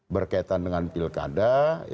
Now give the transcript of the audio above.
berkaitan dengan pilkada